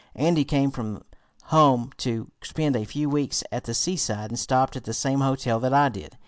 Andy came from home to spend a few weeks at the seaside, and stopped at the same hotel that I did.